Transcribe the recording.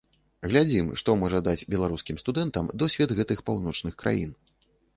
Глядзім, што ж можа даць беларускім студэнтам досвед гэтых паўночных краін.